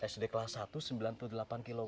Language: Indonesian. sd kelas satu sembilan puluh delapan km